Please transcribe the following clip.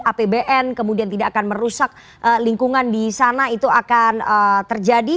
apbn kemudian tidak akan merusak lingkungan di sana itu akan terjadi